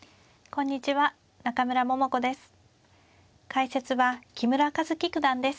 解説は木村一基九段です。